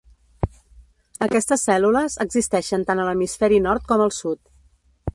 Aquestes cèl·lules existeixen tant a l'hemisferi nord com al sud.